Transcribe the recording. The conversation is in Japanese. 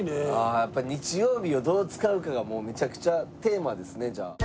やっぱり日曜日をどう使うかがもうめちゃくちゃテーマですねじゃあ。